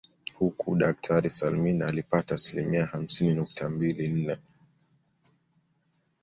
Huku daktari Salmin alipata asilimia hamsini nukta mbili nne